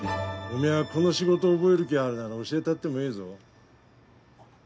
おみゃあこの仕事覚える気あるなら教えたってもええぞ。